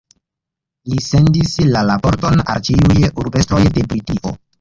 Li sendis la raporton al ĉiuj urbestroj de Britio.